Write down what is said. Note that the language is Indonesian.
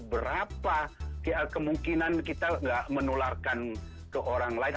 berapa kemungkinan kita tidak menularkan ke orang lain